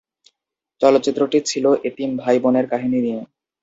চলচ্চিত্রটি ছিলো এতিম ভাই-বোনের কাহিনী নিয়ে।